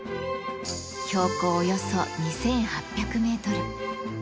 標高およそ２８００メートル。